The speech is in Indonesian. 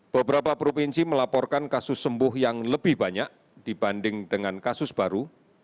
beberapa provinsi melaporkan kasus sembuh yang lebih banyak dibanding dengan kasus baru